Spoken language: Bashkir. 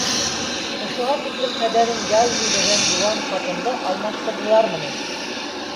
Ошоға тиклем хәбәрен яй һөйләгән йыуан ҡатынды алмаштырҙылармы ни: